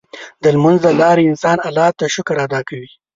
د لمونځ له لارې انسان الله ته شکر ادا کوي.